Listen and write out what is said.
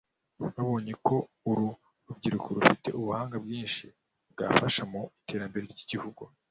babonye ko uru rubyiruko rufite ubuhanga bwinshi bwafasha mu iterambere ry’igihugu